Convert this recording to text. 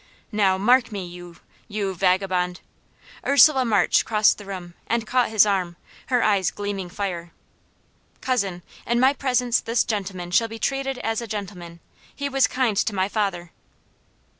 "Now mark me, you you vagabond!" Ursula March crossed the room, and caught his arm, her eyes gleaming fire. "Cousin, in my presence this gentleman shall be treated as a gentleman. He was kind to my father."